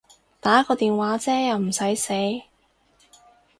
打個電話啫又唔駛死